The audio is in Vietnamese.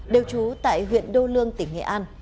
đều trú tại huyện đô lương tỉnh nghệ an